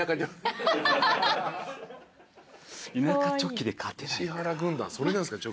田舎チョキで勝てないか。